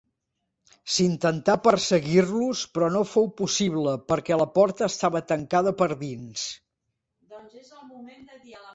S'intentà perseguir-los però no fou possible perquè la porta estava tancada per dins.